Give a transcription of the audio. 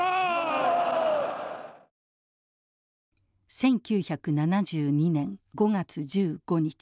１９７２年５月１５日。